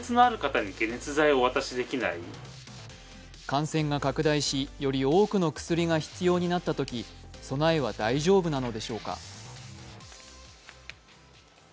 感染が拡大し、より多くの薬が必要になったとき備えは大丈夫なのでしょうか。